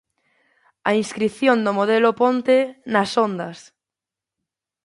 A inscrición do modelo Ponte... nas Ondas!